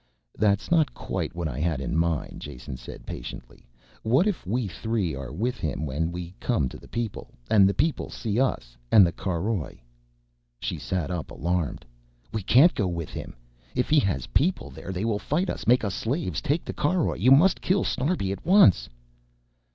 "That's not quite what I had in mind," Jason said patiently. "What if we three are with him when we come to the people, and the people see us and the caroj...." She sat up, alarmed. "We can't go with him! If he has people there they will fight us, make us slaves, take the caroj. You must kill Snarbi at once."